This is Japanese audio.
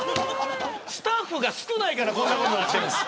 スタッフが少ないからこんなことになっているんです。